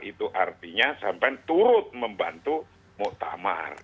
itu artinya sampai turut membantu muktamar